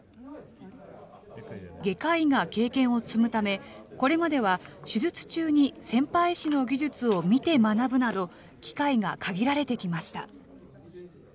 外科医が経験を積むため、これまでは手術中に先輩医師の技術を見て学ぶなど、機会が限られてきました。